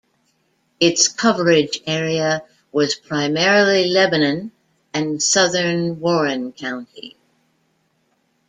Its coverage area was primarily Lebanon and southern Warren County.